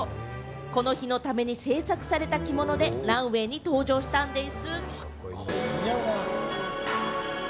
この日のために制作された着物で、ランウェイに登場したんでぃす。